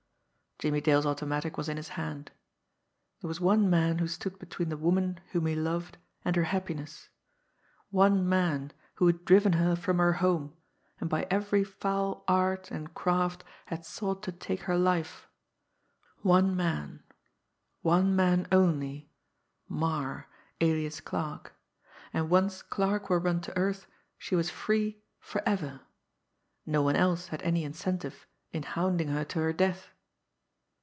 Jimmie Dale's automatic was in his hand. There was one man who stood between the woman whom he loved and her happiness, one man, who had driven her from her home and by every foul art and craft had sought to take her life, one man, one man only Marre, alias Clarke. And once Clarke were run to earth, she was free forever no one else had any incentive in hounding her to her death.